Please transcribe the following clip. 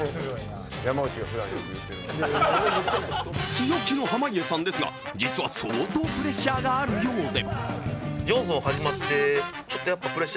強気の濱家さんですが、実は相当プレッシャーがあるようで。